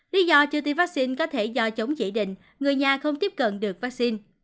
lý do chưa tiêm vaccine có thể do chống chỉ định người nhà không tiếp cận được vaccine